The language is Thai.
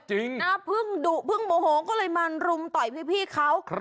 จริงน่าพึ่งดุพึ่งโมโหก็เลยมารุมต่อยพี่เขา